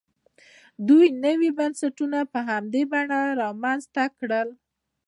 دوی نوي بنسټونه په همدې بڼه رامنځته کړل.